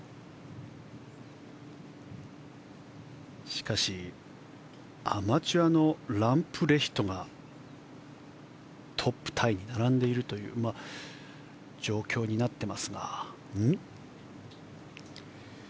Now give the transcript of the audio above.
しかしアマチュアのランプレヒトがトップタイに並んでいるという状況になっています。